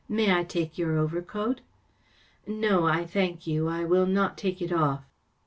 May I take your overcoat ?"" No, I thank you ; I will not take it off."